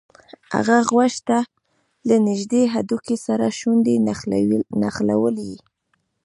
هغه غوږ ته له نږدې هډوکي سره شونډې نښلولې